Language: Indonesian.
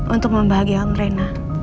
untuk membahagiakan reyna